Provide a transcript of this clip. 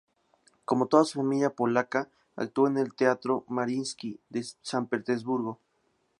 Como toda su familia polaca, actuó en el Teatro Mariinski de San Petersburgo.